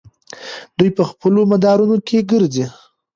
دوی په خپلو مدارونو کې ګرځي.